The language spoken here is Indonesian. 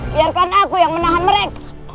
biarkan aku yang menahan mereka